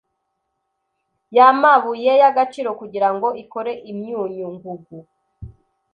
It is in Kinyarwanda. yamabuye y'agaciro kugirango ikore imyunyu ngugu